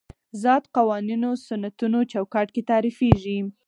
ذات قوانینو سنتونو چوکاټ کې تعریفېږي.